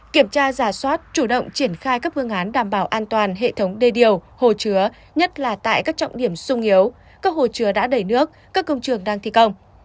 kiểm tra giả soát chủ động triển khai các phương án đảm bảo an toàn hệ thống đê điều hồ chứa nhất là tại các trọng điểm sung yếu các hồ chứa đã đầy nước các công trường đang thi công